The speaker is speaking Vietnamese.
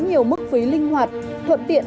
nhiều mức phí linh hoạt thuận tiện